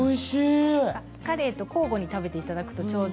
カレイと交互に食べていただくと、ちょうど。